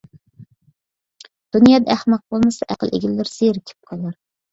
دۇنيادا ئەخمەق بولمىسا، ئەقىل ئىگىلىرى زېرىكىپ قالار.